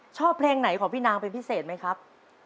ชอบเพลงไหนของพี่นางเป็นพิเศษไหมครับ